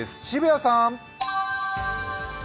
澁谷さん。